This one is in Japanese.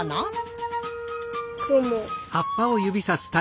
クモ。